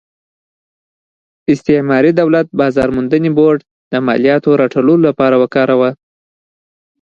استعماري دولت بازار موندنې بورډ د مالیاتو راټولولو لپاره وکاراوه.